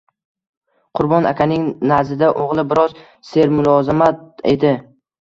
Qurbon akaning nazdida o‘g‘li biroz sermulozamat edi